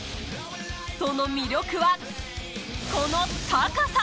その魅力は、この高さ。